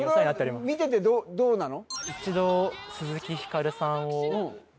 それを見ててどうなの？